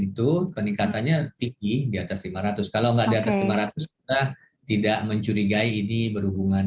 itu peningkatannya tinggi diatas lima ratus kalau nggak ada semangat tidak mencurigai ini berhubungan